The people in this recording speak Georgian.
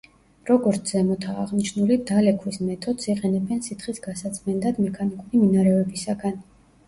როგორც ზემოთაა აღნიშნული დალექვის მეთოდს იყენებენ სითხის გასაწმენდად მექანიკური მინარევებისაგან.